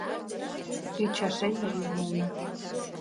— Ӱчашен йӱын улына...